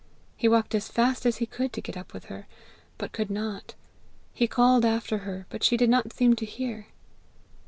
He walked as fast as he could to get up with her, but could not; he called after her, but she did not seem to hear.